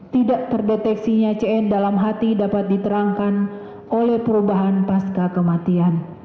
tidak terdeteksinya cn dalam hati dapat diterangkan oleh perubahan pasca kematian